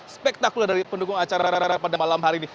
spektakul dari pendukung acara pada malam hari ini